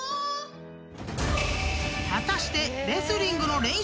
［果たして］